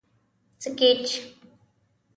سکیچ